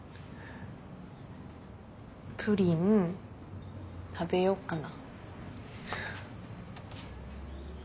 プリン食べよっかな。